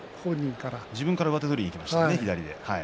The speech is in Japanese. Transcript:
自分から左の上手を取りにいきましたね。